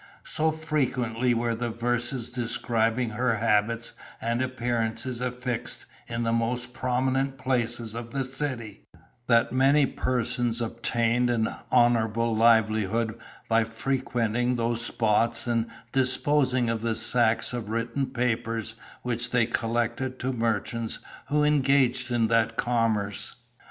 So frequently were the verses describing her habits and appearances affixed in the most prominent places of the city, that many persons obtained an honourable livelihood by frequenting those spots and disposing of the sacks of written papers which they collected to merchants who engaged in that commerce.